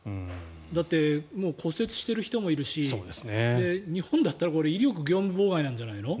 だってもう骨折している人もいるし日本だったら威力業務妨害なんじゃないの？